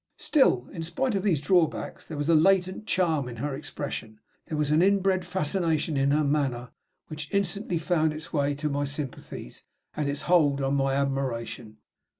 Still, in spite of these drawbacks, there was a latent charm in her expression, there was an inbred fascination in her manner, which instantly found its way to my sympathies and its hold on my admiration.